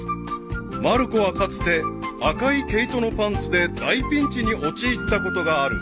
［まる子はかつて赤い毛糸のパンツで大ピンチに陥ったことがある］